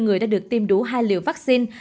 và hai người đã được tiêm đủ hai liều vaccine